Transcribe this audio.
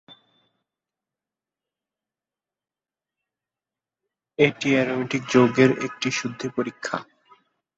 এটি অ্যারোমেটিক যৌগের একটি শুদ্ধি পরীক্ষা।